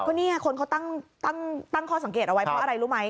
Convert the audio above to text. ก็เนี่ยคนเขาตั้งข้อสังเกตเอาไว้เพราะอะไรรู้ไหม